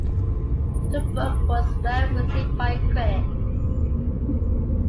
The book was well received by critics.